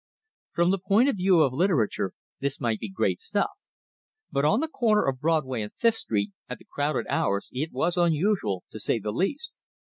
From the point of view of literature this might be great stuff; but on the corner of Broadway and Fifth Street at the crowded hours it was unusual, to say the least.